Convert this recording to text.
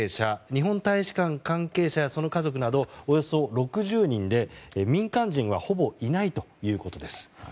日本大使館関係者やその家族などおよそ６０人で、民間人はほぼいないということです。